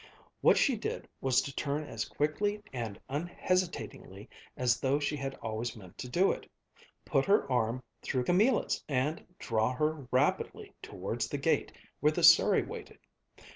What she did was to turn as quickly and unhesitatingly as though she had always meant to do it, put her arm through Camilla's and draw her rapidly towards the gate where the surrey waited.